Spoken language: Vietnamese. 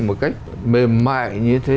một cách mềm mại như thế